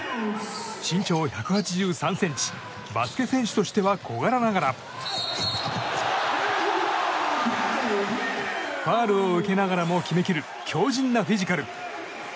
身長１８３ｃｍバスケ選手としては小柄ながらファウルを受けながらも決めきる強靭なフィジカル。